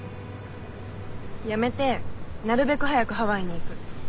やめてなるべく早くハワイに行く。